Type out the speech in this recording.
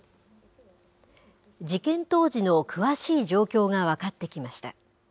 事件当時の詳しい状況が分かってきました。